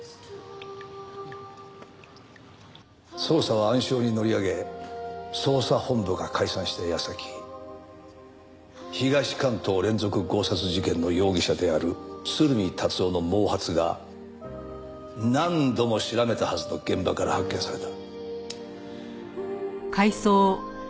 捜査は暗礁に乗り上げ捜査本部が解散した矢先東関東連続強殺事件の容疑者である鶴見達男の毛髪が何度も調べたはずの現場から発見された。